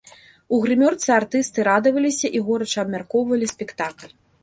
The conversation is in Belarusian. У грымёрцы артысты радаваліся і горача абмяркоўвалі спектакль.